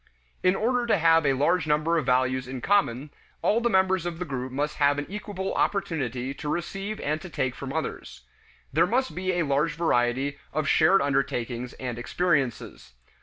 In order to have a large number of values in common, all the members of the group must have an equable opportunity to receive and to take from others. There must be a large variety of shared undertakings and experiences.